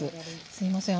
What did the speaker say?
すいません。